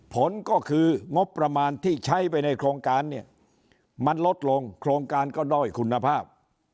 ผลก็คืองบประมาณที่ใช้ไปในโครงการเนี่ยมันลดลงโครงการก็ด้อยคุณภาพ